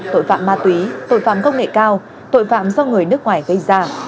tội phạm ma túy tội phạm công nghệ cao tội phạm do người nước ngoài gây ra